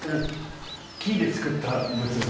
木で作った仏像。